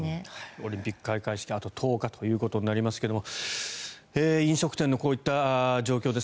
オリンピック開会式あと１０日ということになりますが飲食店のこういった状況です。